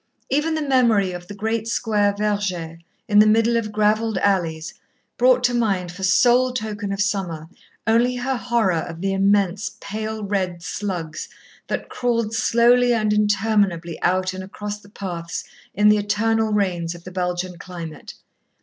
Even the memory of the great square verger, in the middle of gravelled alleys, brought to her mind for sole token of summer, only her horror of the immense pale red slugs that crawled slowly and interminably out and across the paths in the eternal rains of the Belgian climate.